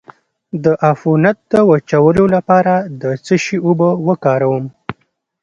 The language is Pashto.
د عفونت د وچولو لپاره د څه شي اوبه وکاروم؟